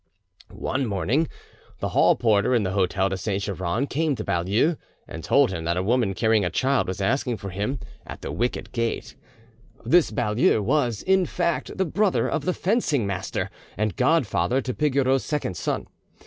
One morning, the hall porter at the hotel de Saint Geran came to Baulieu and told him that a woman carrying a child was asking for him at the wicket gate; this Baulieu was, in fact, the brother of the fencing master, and godfather to Pigoreau's second son.